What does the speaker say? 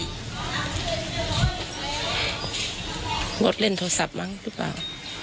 รถเล่นโทรศัพท์มั้งหรือเปล่า